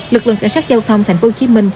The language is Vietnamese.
lực lượng cảnh sát giao thông tp hcm